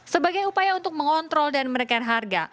sebagai upaya untuk mengontrol dan menekan harga